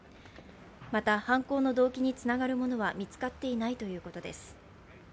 また、犯行の動機につながるものは見つかっていないということです。